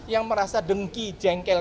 yang merasa dengki jengkel